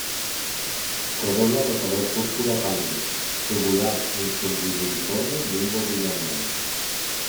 Corola de color púrpura pálido, tubular-infundibuliforme, limbo bilabiado.